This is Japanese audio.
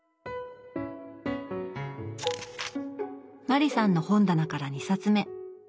麻里さんの本棚から２冊目。